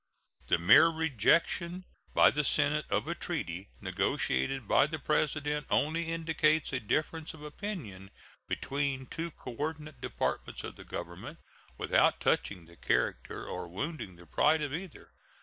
The mere rejection by the Senate of a treaty negotiated by the President only indicates a difference of opinion between two coordinate departments of the Government, without touching the character or wounding the pride of either.